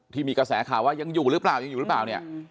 ที่มีกระแสข่าวว่ายังอยู่หรือเปล่ายังอยู่หรือเปล่าเนี่ย